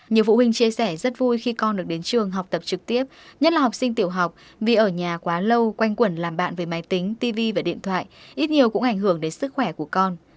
nhiều phụ huynh chia sẻ rất vui khi con được đến trường học tập trực tiếp nhất là học sinh tiểu học vì ở nhà quá lâu quanh quẩn làm bạn về máy tính tv và điện thoại ít nhiều cũng ảnh hưởng đến sức khỏe của con